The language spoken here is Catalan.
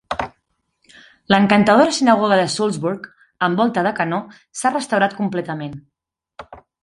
L'encantadora sinagoga de Sulzburg, amb volta de canó, s'ha restaurat completament.